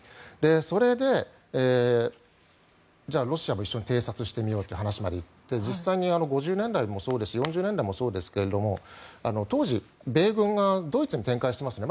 それでじゃあロシアも一緒に偵察してみようという話まで行って実際に５０年代もそうですし４０年代もそうですが当時、米軍がドイツに展開していますね。